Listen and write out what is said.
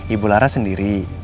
ibu laras sendiri